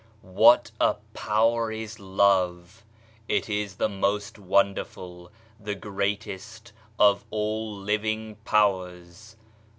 HAT a power is Love ! It is the most wonderful, the greatest of all living powers.